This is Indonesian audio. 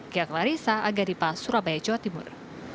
kia klarissa agaripa surabaya jawa timur